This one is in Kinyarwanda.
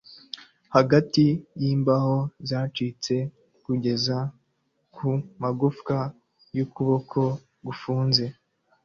hagati yimbaho zacitse kugeza kumagufa yukuboko gufunze